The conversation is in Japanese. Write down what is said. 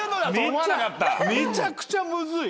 めちゃくちゃむずい。